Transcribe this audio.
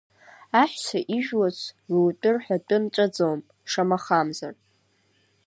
Аҳәса ижәбац рутәы-рҳәатәы нҵәаӡом, шамахамзар.